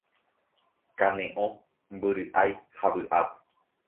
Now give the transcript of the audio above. Kane'õ, mbyry'ái ha vy'ápe